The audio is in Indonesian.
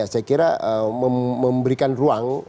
saya kira memberikan ruang